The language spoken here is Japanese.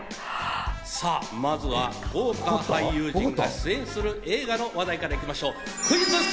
まずは豪華俳優陣が出演する映画の話題から行きましょう。